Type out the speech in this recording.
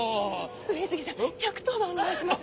上杉さん１１０番お願いします。